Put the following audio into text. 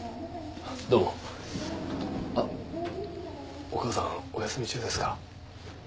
どうもあっお母さんお休み中ですか？